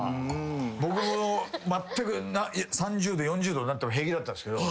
僕もまったく３０℃４０℃になっても平気だったんですけど。